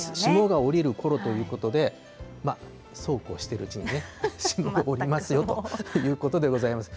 霜が降りるころということで、そうこうしているうちにね、霜が降りますよということでございます。